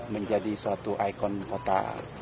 menjadi suatu ikon kota